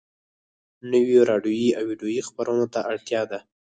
نويو راډيويي او ويډيويي خپرونو ته اړتيا ده.